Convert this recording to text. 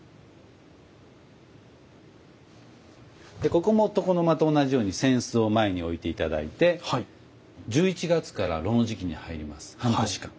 でここも床の間と同じように扇子を前に置いて頂いて１１月から炉の時期に入ります。